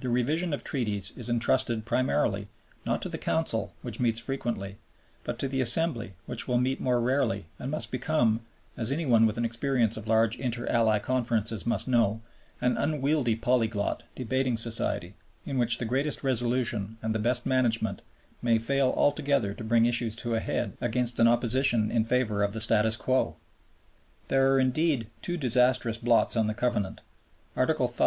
The revision of Treaties is entrusted primarily, not to the Council, which meets frequently, but to the Assembly, which will meet more rarely and must become, as any one with an experience of large Inter Ally Conferences must know, an unwieldy polyglot debating society in which the greatest resolution and the best management may fail altogether to bring issues to a head against an opposition in favor of the status quo. There are indeed two disastrous blots on the Covenant, Article V.